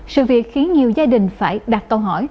sự việc khiến nhiều gia đình phải đặt câu hỏi